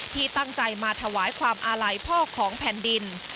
ที่ตั้งใจมาถวายความอาลัยพ่อของแผ่นดิน